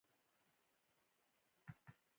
• اور د تودوخې او نور لومړنۍ وسیله وه.